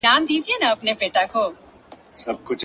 • تا څه کول جانانه چي راغلی وې وه کور ته ـ